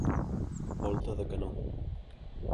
Volta de canó.